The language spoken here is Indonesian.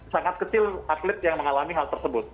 sangat kecil atlet yang mengalami hal tersebut